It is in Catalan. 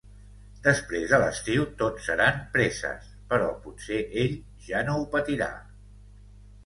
Després de l'estiu tot seran presses, però potser ell ja no ho patirà.